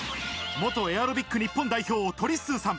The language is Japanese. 元エアロビック日本代表、とりっすーさん。